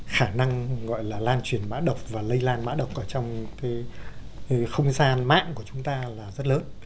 khả năng gọi là lan truyền mã độc và lây lan mã độc ở trong không gian mạng của chúng ta là rất lớn